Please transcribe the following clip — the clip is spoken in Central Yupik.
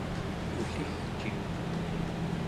ulligciuq